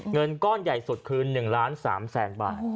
เงินก้อนใหญ่สุดคือ๑ล้าน๓แสนบาท